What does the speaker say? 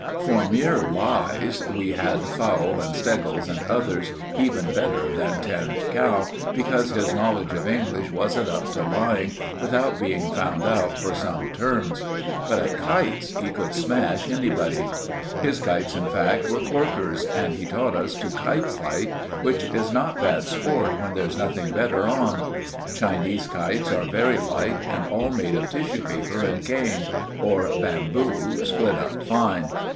For mere lies we had Fowle and Steggles, and others, even better than Tinned Cow, because his knowledge of English wasn't up to lying without being found out for some terms; but at kites he could smash anybody. His kites, in fact, were corkers, and he taught us to kite fight, which is not bad sport when there's nothing better on. Chinese kites are very light, and all made of tissue paper and cane, or bamboo, split up fine.